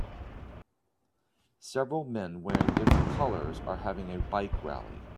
Several men wearing different colors are having a bike rally.